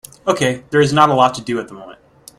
Okay, there is not a lot to do at the moment.